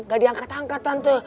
dia langka tante